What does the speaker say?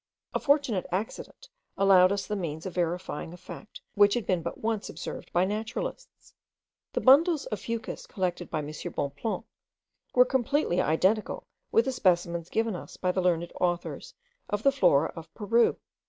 A fortunate accident allowed us the means of verifying a fact which had been but once observed by naturalists. The bundles of fucus collected by M. Bonpland were completely identical with the specimens given us by the learned authors of the Flora of Peru.